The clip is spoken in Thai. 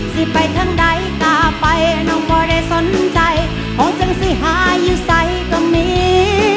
ที่ไปทั้งใดกะไปน้องพอได้สนใจของจังสีหายู่ใสก็มี